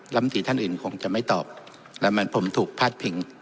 ลำตีท่านอื่นคงจะไม่ตอบแล้วมันผมถูกพาดพิง